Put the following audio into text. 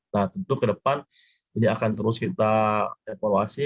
nah tentu ke depan ini akan terus kita evaluasi